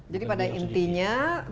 jadi pada intinya